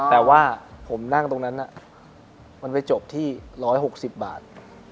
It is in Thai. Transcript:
แต่ว่าผมนั่งตรงนั้นมันไปจบที่๑๖๐บาท